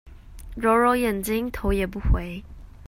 揉揉眼睛頭也不回